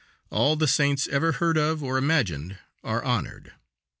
All the saints ever heard of or imagined are honored.